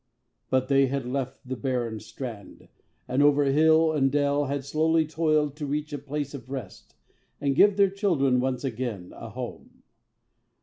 But they had left The barren strand, and over hill and dale Had slowly toiled to reach a place of rest, And give their children once again a home.